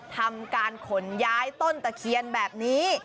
ทำการขนย้ายต้นตะเคียนแบบนี้